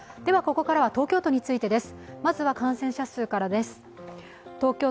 ここからは東京都についてです。